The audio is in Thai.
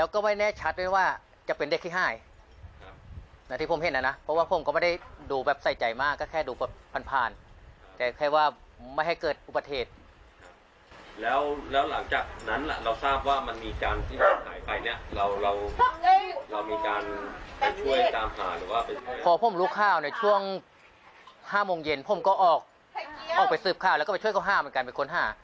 เข้าข้าวในช่วง๕โมงเย็นผมก็ออกออกไปสืบข้าวแล้วก็ไปช่วยเขาห้ามันกันไปค้นห้า